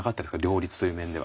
両立という面では。